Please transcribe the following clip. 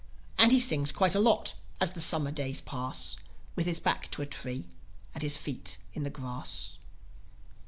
And he sings quite a lot, as the Summer days pass, With his back to a tree and his feet in the grass.